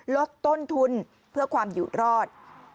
ลดต้นทุนเพื่อความอยู่รอด